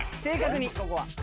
正確に。